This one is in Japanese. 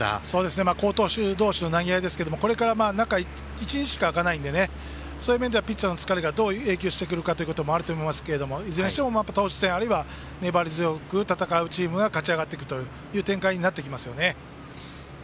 好投手同士の投げ合いですがこれから中１日しかあかないのでピッチャーの疲れがどう影響するかと思いますがいずれにしても、投手戦粘り強く戦うチームが勝ち上がってくる展開になってきますよね。